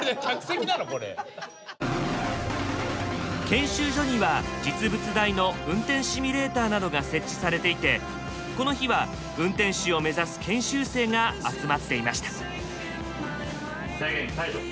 研修所には実物大の運転シミュレーターなどが設置されていてこの日は運転士を目指す研修生が集まっていました。